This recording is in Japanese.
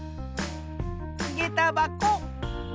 げたばこ。